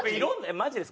マジです。